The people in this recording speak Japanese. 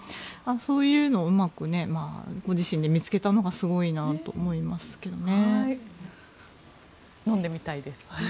そういうのをうまくご自身で見つけたのがすごいなと思いますけどね。